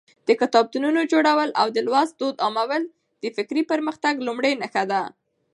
د کتابتونونو جوړول او د لوست دود عامول د فکري پرمختګ لومړۍ نښه ده.